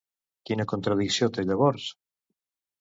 Quina contradicció té llavors?